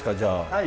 はい！